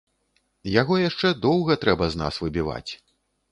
Яго яшчэ доўга трэба з нас выбіваць.